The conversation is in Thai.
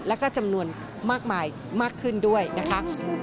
และก็จำนวนมากขึ้นด้วยนะคะ